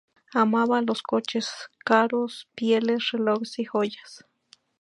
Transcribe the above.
Amaba a los coches caros, pieles, relojes y joyas.